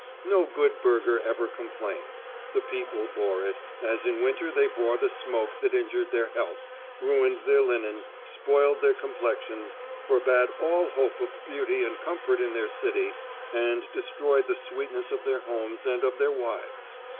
No good burgher ever complained: the people bore it, as in winter they bore the smoke that injured their health, ruined their linen, spoiled their complexions, forbade all hope of beauty and comfort in their city, and destroyed the sweetness of their homes and of their wives.